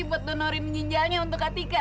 buat donorin ginjalnya untuk kak tika